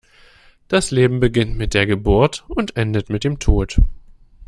Das Leben beginnt mit der Geburt und endet mit dem Tod.